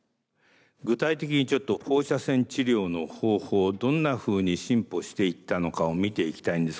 具体的にちょっと放射線治療の方法どんなふうに進歩していったのかを見ていきたいんですけど。